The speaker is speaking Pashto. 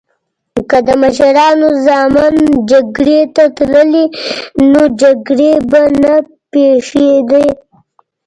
که د مشرانو ځامن جګړی ته تللی نو جګړې به نه پیښیدی